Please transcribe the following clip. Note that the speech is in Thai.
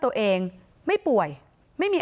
ตัวเองไม่ป่วยไม่มี